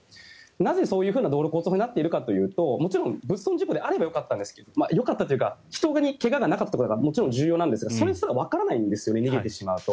なぜ、そういう道路交通法になっているかというともちろん物損事故であればよかったんですけどよかったというか人に怪我がなかったということがもちろん重要なんですがそれすらわからないんですよね逃げてしまうと。